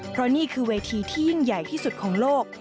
เพราะนี่คือเวทีที่ยิ่งใหญ่ที่สุดของโลก